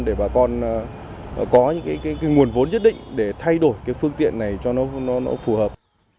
để bà con có những cái nguồn vốn nhất định để thay đổi cái phương tiện này cho nó phù hợp